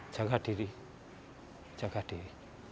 jaga diri jaga diri